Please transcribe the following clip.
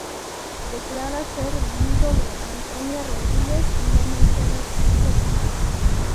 Declara ser viudo de Antonia Rodríguez y no menciona hijos vivos.